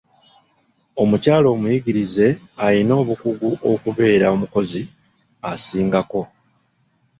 Omukyala omuyigirize ayina obukugu okubeera omukozi asingako.